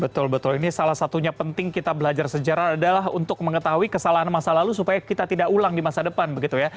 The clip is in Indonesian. betul betul ini salah satunya penting kita belajar sejarah adalah untuk mengetahui kesalahan masa lalu supaya kita tidak ulang di masa depan begitu ya